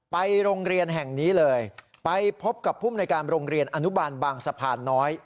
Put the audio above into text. ไปโรงเรียนแห่งนี้เลยไปพบกับภูมิในการโรงเรียนอนุบาลบางสะพานน้อย